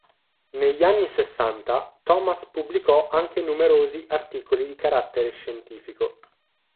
Negli anni sessanta Thomas pubblicò anche numerosi articoli di carattere scientifico.